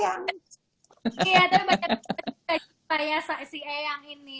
iya tapi banyak banyak yang suka ya si eyang ini